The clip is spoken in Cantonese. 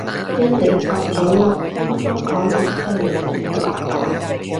一嚟就咀落啱啱嘔完嘅娘娘度